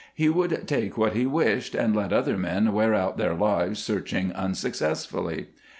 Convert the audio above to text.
He would take what he wished, and let other men wear out their lives searching unsuccessfully.